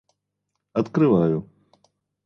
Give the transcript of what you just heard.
Открываю